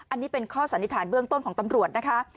อันนี้เป็นข้อสันนิษฐานเบื้องต้นของตำรวจนะคะ